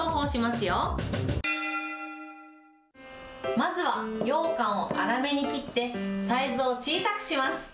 まずはようかんを粗めに切って、サイズを小さくします。